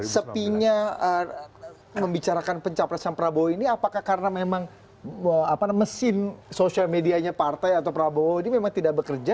sepinya membicarakan pencapresan prabowo ini apakah karena memang mesin sosial medianya partai atau prabowo ini memang tidak bekerja